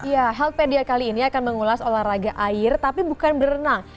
ya healthpedia kali ini akan mengulas olahraga air tapi bukan berenang